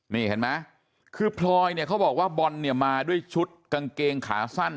นี่เห็นไหมคือพลอยเนี่ยเขาบอกว่าบอลเนี่ยมาด้วยชุดกางเกงขาสั้น